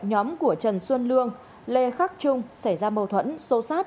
nhóm của trần xuân lương lê khắc trung xảy ra bầu thuẫn sâu sát